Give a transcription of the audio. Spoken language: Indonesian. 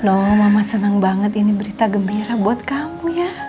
no mama senang banget ini berita gembira buat kamu ya